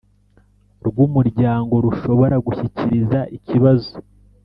Rw umuryango rushobora gushyikiriza ikibazo